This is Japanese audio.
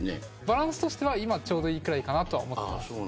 バランスとしては今がちょうどいいぐらいかなと思っています。